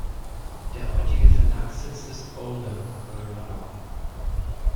Der heutige Verlagssitz ist Boulder, Colorado.